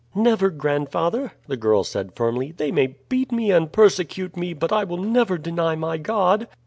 "Never, grandfather," the girl said firmly. "They may beat me and persecute me, but I will never deny my God."